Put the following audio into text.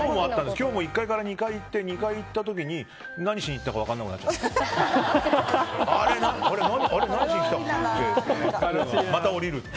今日も１階から２階に行って２階に行った時に何しに行ったか分からなくなっちゃって。